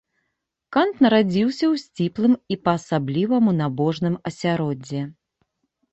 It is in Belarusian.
Кант нарадзіўся ў сціплым і па-асабліваму набожным асяроддзі.